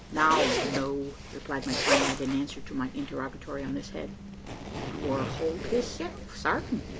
"No, no!" replied my comrade, in answer to my interrogatory on this head: "'twar Holt hisself, sartin.